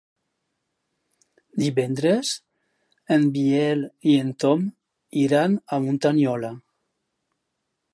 Divendres en Biel i en Tom iran a Muntanyola.